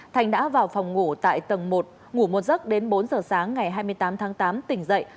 thành đã vào phòng ngủ tại tầng một ngủ một giấc đến bốn giờ sáng ngày hai mươi tám tháng tám tỉnh dậy